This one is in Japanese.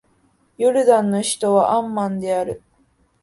ヨルダンの首都はアンマンである